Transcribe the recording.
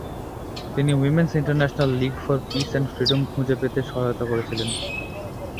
তিনি women's international league for peace and freedom খুঁজে পেতে সহায়তা করেছিলেন।